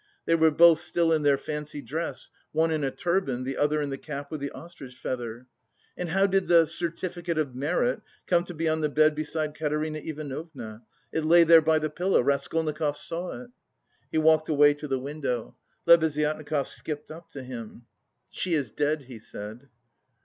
They were both still in their fancy dress; one in a turban, the other in the cap with the ostrich feather. And how did "the certificate of merit" come to be on the bed beside Katerina Ivanovna? It lay there by the pillow; Raskolnikov saw it. He walked away to the window. Lebeziatnikov skipped up to him. "She is dead," he said.